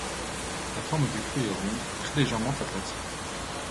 La forme du fruit est ronde, très légèrement aplatie.